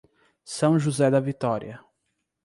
São José da Vitória